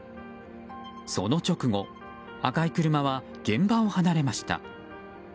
その直後、赤い車は現場を離れました。